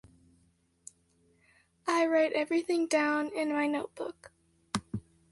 I write everything down in my notebook.